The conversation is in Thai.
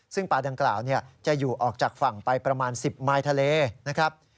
ซึ่งปลาดังกล่าวจะอยู่ออกจากฝั่งไปประมาณ๑๐มายทะเลนะครับ